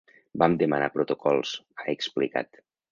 Vam demanar protocols, ha explicat.